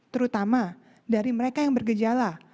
terutama dari mereka yang bergejala